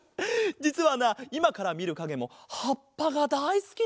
じつはないまからみるかげもはっぱがだいすきなんだ。